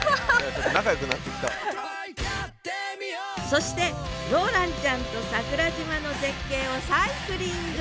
そしてローランちゃんと桜島の絶景をサイクリング！